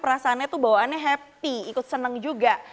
perasaannya tuh bawaannya happy ikut senang juga